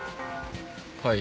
はい。